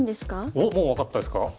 おっもう分かったんですか？